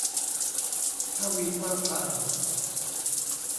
ถ้าวีซ่าผ่าน